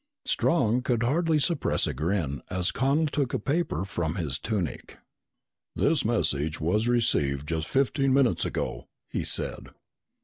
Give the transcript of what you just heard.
Strong could hardly suppress a grin as Connel took a paper from his tunic. "This message was received just fifteen minutes ago," he said.